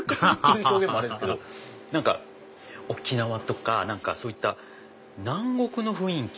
ハハハハハ沖縄とかそういった南国の雰囲気。